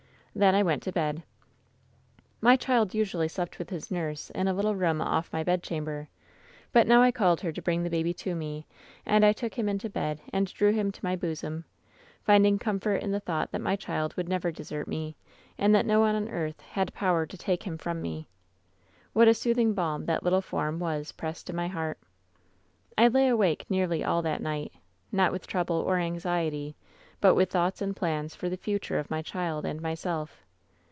"Then I went to bed. "My child usually slept with his nurse in a little room off my bedchamber. But now I called her to bring the baby to me ; and I took him into bed and drew him to my bosom, finding comfort in the thought that my child 184 WHEN SHADOWS DDE would never desert me, and that no one on earth had power to take him from me. What a soothing balm that little form was pressed to my heart. "I lay awake nearly all that night, not with trouble or anxiety, but with thoughts and plans for the future of my child and myself.